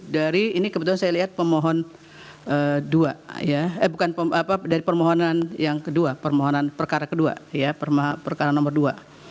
dari ini kebetulan saya lihat permohonan yang kedua permohonan perkara kedua ya perkara nomor dua